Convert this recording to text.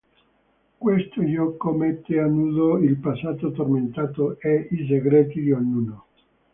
Questo gioco mette a nudo il passato tormentato e i segreti di ognuno.